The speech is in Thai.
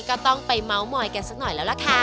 ก็ต้องไปเมาส์มอยกันสักหน่อยแล้วล่ะค่ะ